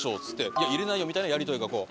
「いや入れないよ」みたいなやり取りがこう。